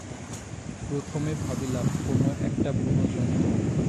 প্রথমে ভাবিলাম কোনো একটা বুনো জন্তু।